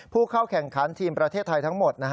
ผู้เข้าแข่งขันทีมประเทศไทยทั้งหมด